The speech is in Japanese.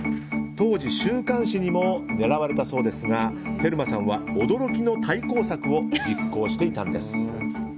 当時、週刊誌にも狙われたそうですがテルマさんは驚きの対抗策を実行していたんです。